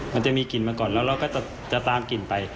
มันจะมีกลิ่นมาก่อนแล้วเราก็จะตามกลิ่นไป